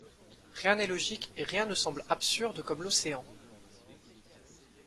Rien n’est logique et rien ne semble absurde comme l’océan.